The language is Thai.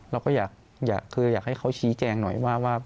เราก็คืออยากให้เขาชี้แจงหน่อยว่า